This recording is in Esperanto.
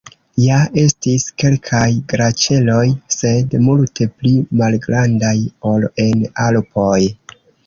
Ja estis kelkaj glaĉeroj, sed multe pli malgrandaj ol en Alpoj.